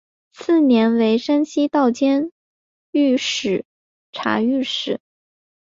次年为山西道监察御史。